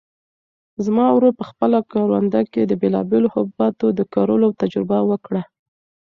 زما ورور په خپله کرونده کې د بېلابېلو حبوباتو د کرلو تجربه وکړه.